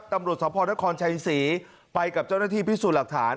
ตำรวจสพนครชัยศรีไปกับเจ้าหน้าที่พิสูจน์หลักฐาน